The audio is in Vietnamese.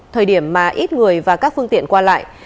thời điểm mà ít người và các phương tiện qua lại